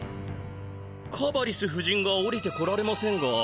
カバリス夫人が下りてこられませんが。